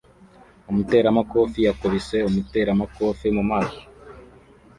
umuteramakofe yakubise umuteramakofe mu maso